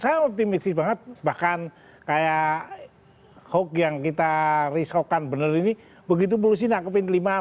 saya optimistis banget bahkan kayak hoax yang kita risaukan bener ini begitu berusia nakkepin lima mungkin besok ke perasaan